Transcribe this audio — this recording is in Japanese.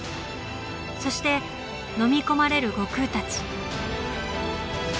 そしてのみ込まれる悟空たち。